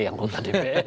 yang lupa dprd ya kan